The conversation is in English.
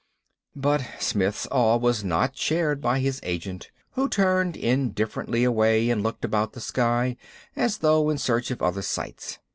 But Smith's awe was not shared by his agent, who turned indifferently away and looked about the sky as though in search of other sights.